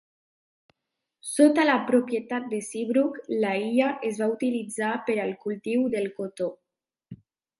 Sota la propietat de Seabrook, la illa es va utilitzar per al cultiu del cotó.